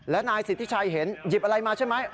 และนายสิทธิชัยเห็นหยิบอะไรมาใช่ไหม